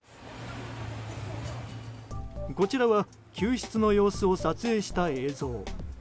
こちらは救出の様子を撮影した映像。